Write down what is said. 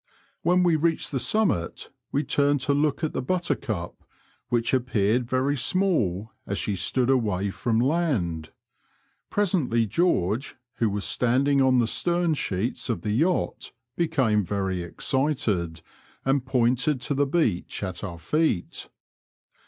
When we reached the summit we turned to look at the Buttercup* which appeared very small as she stood away from land. Presently George, who was standing on the stern sheets of the yacht, became very excited, and pointed to the beach at our feet.